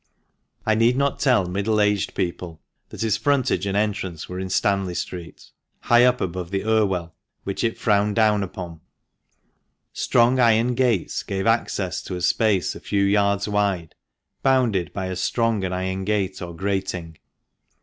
I need not tell middle aged people that its frontage and entrance were in Satnley Street, high up above the Irwell, which it frowned down upon. Strong iron gates gave access to a space a few yards wide, bounded by as strong an iron gate or grating.